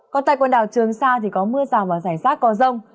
còn tại quần đảo trường sa thì có mưa rào và rải rác có rông